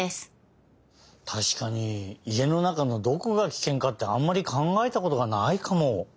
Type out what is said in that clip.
たしかに家の中のどこがキケンかってあんまりかんがえたことがないかも。